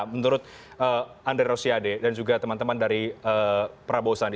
menurut andre rosiade dan juga teman teman dari prabowo sandi